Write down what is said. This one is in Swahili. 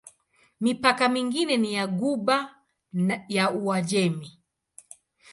Mipaka mingine ni ya Ghuba ya Uajemi.